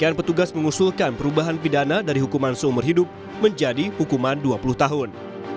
petugas mengusulkan perubahan pidana dari hukuman seumur hidup menjadi hukuman dua puluh tahun